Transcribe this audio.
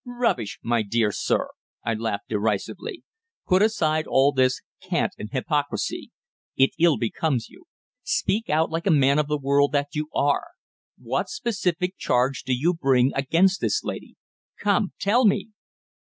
"Rubbish, my dear sir," I laughed derisively. "Put aside all this cant and hypocrisy. It ill becomes you. Speak out, like a man of the world that you are. What specific charge do you bring against this lady? Come, tell me."